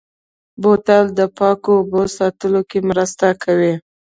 بوتل د پاکو اوبو ساتلو کې مرسته کوي.